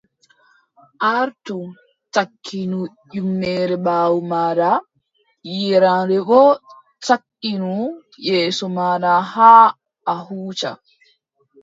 Artu cakkinu ƴummere ɓaawo maaɗa, yeeraande boo cakkinu yeeso maaɗa haa a huuca.